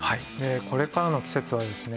これからの季節はですね